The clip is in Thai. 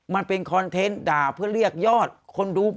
มันเป็นคอนเทนต์ด่าเพื่อเรียกยอดคนดู